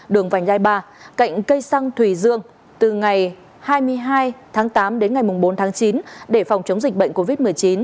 đường vành lai ba cạnh cây xăng thùy dương từ ngày hai mươi hai tám đến ngày bốn chín để phòng chống dịch bệnh covid một mươi chín